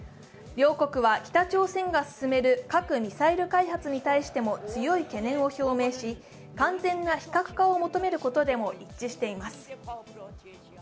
両国は北朝鮮が進める核・ミサイル開発についても強い懸念を表明し、完全な非核化を求めることでも一致しています。